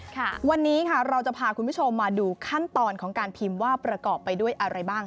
ค่ะวันนี้ค่ะเราจะพาคุณผู้ชมมาดูขั้นตอนของการพิมพ์ว่าประกอบไปด้วยอะไรบ้าง